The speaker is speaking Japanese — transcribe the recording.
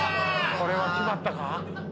これは決まったか？